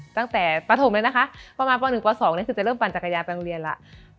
ตั้งแต่ประถมเลยนะคะประมาณป๑ป๒จะเริ่มปั่นจักรยานไปโรงเรียนแล้ว